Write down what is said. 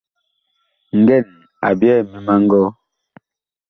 Ngɛn, a ɓyɛɛ ŋmim a ngɔɔ.